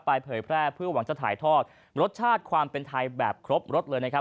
เผยแพร่เพื่อหวังจะถ่ายทอดรสชาติความเป็นไทยแบบครบรสเลยนะครับ